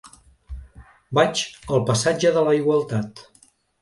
Vaig al passatge de la Igualtat.